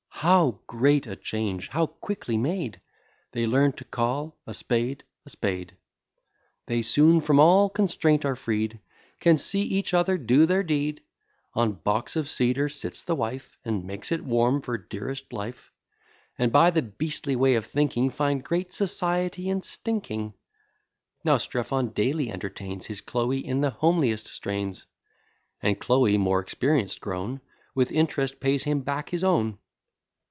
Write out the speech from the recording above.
How great a change! how quickly made! They learn to call a spade a spade. They soon from all constraint are freed; Can see each other do their need. On box of cedar sits the wife, And makes it warm for dearest life; And, by the beastly way of thinking, Find great society in stinking. Now Strephon daily entertains His Chloe in the homeliest strains; And Chloe, more experienc'd grown, With int'rest pays him back his own.